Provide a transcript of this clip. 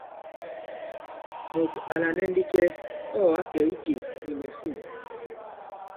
Mùt à lànɛ ndi cɛ ɔ̂ ǎ kɛ̀ i ikè nì màsîn ?